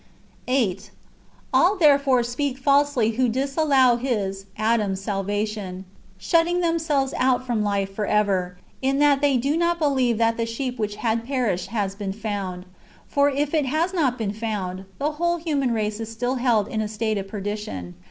8. All therefore speak falsely who disallow his (Adam's) salvation, shutting themselves out from life for ever, in that they do not believe that the sheep which had perished has been found.^ For if it has not been found, the whole human race is still held in a state of perdition.